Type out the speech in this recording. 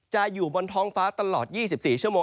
อยู่บนท้องฟ้าตลอด๒๔ชั่วโมง